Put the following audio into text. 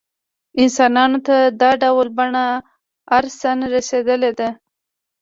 انسانانو ته دا ډول بڼه ارثاً رسېدلې ده.